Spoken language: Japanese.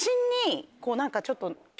何かちょっと。